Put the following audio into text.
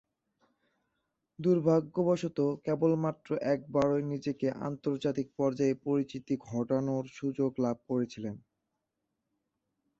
দূর্ভাগ্যবশতঃ কেবলমাত্র একবারই নিজেকে আন্তর্জাতিক পর্যায়ে পরিচিতি ঘটানোর সুযোগ লাভ করেছিলেন।